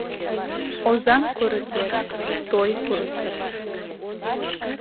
Озаҥ курыкет - той курыкет